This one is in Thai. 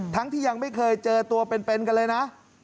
ที่ยังไม่เคยเจอตัวเป็นกันเลยนะ